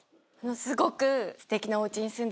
すごく。